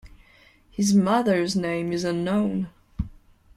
His mother's name is unknown.